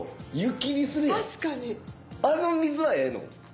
あの水はええの？